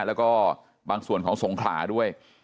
แล้วก็บางส่วนของสงขลาด้วย